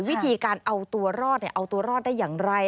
วิธีการเอาตัวรอดเอาตัวรอดได้อย่างไร